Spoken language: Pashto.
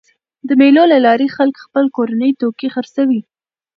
د مېلو له لاري خلک خپل کورني توکي خرڅوي.